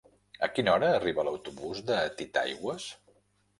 A quina hora arriba l'autobús de Titaigües?